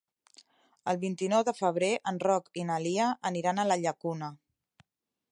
El vint-i-nou de febrer en Roc i na Lia aniran a la Llacuna.